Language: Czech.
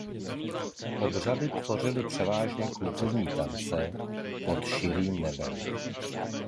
Obřady tvořily převážně kultovní tance pod širým nebem.